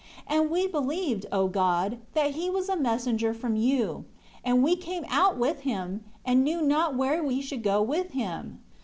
6 And we believed, O God, that he was a messenger from you; and we came out with him; and knew not where we should go with him."